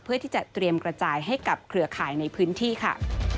เพื่อที่จะเตรียมกระจายให้กับเครือข่ายในพื้นที่ค่ะ